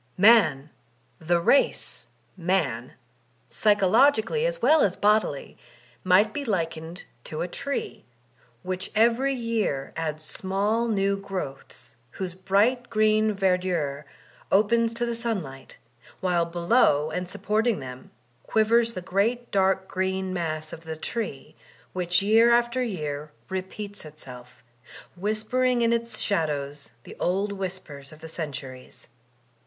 Man, the race Man, psychologically as well as bodily, might be likened to a tree, which every year adds small new growths whose bright green verdure opens to the sun light, while below and supporting them quivers the great daric green mass of the tree, which year after year re peats itself, whispering in its shadows the old whispers of the centuries.